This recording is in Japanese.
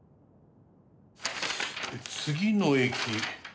次の駅